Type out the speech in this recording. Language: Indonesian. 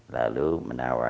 lalu menurut saya